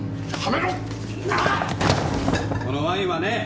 このワインはね